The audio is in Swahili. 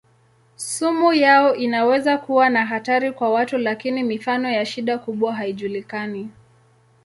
Sumu yao inaweza kuwa na hatari kwa watu lakini mifano ya shida kubwa haijulikani.